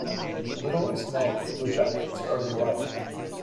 Little is known of Blue Jacket's early life.